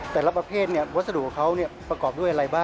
แต่ละประเภทวัสดุของเขาประกอบด้วยอะไรบ้าง